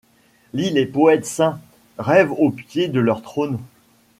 Lis les poètes saints. Rêve au pied de leur trône.